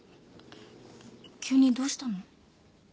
急にどうしたの？